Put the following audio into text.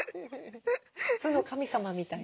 酢の神様みたい。